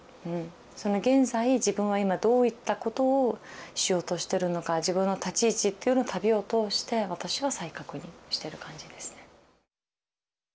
その現在自分は今どういったことをしようとしてるのか自分の立ち位置っていうのを旅を通して私は再確認してる感じですね。